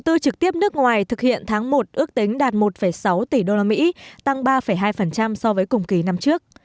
tổng vốn đầu tư nước ngoài thực hiện tháng một ước tính đạt một sáu tỷ usd tăng ba hai so với cùng kỳ năm trước